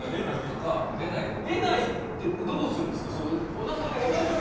出ないってどうするんですか。